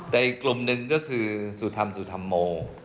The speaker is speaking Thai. ในกลุ่มนึนก็คือสุธรรมสุธรรมโม